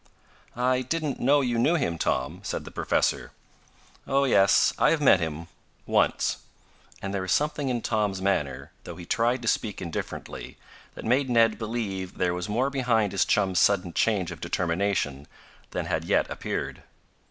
"I didn't know you knew him, Tom," said the professor. "Oh, yes, I have met him, once," and there was something in Tom's manner, though he tried to speak indifferently, that made Ned believe there was more behind his chum's sudden change of determination than had yet appeared.